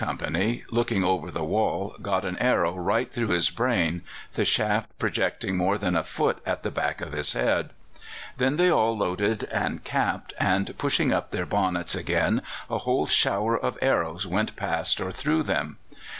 2 Company, looking over the wall, got an arrow right through his brain, the shaft projecting more than a foot at the back of his head. Then they all loaded and capped, and, pushing up their bonnets again, a whole shower of arrows went past or through them.